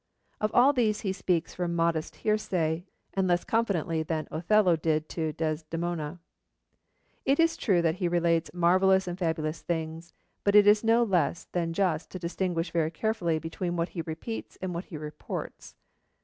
Of all these he speaks from modest hearsay, and less confidently than Othello did to Desdemona. It is true that he relates marvellous and fabulous things, but it is no less than just to distinguish very carefully between what he repeats and what he reports.